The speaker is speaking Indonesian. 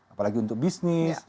apalagi untuk bisnis